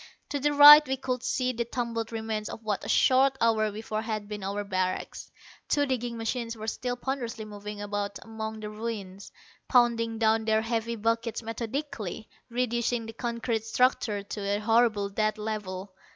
To the right we could see the tumbled remains of what a short hour before had been our barracks. Two digging machines were still ponderously moving about among the ruins, pounding down their heavy buckets methodically, reducing the concrete structure to a horrible dead level.